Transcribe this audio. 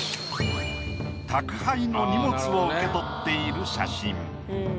宅配の荷物を受け取っている写真。